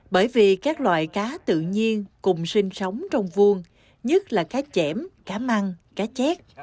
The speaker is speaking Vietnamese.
bởi vì các loại cá tự nhiên cùng sinh sống trong vuông nhất là cá chẻm cá măng cá chét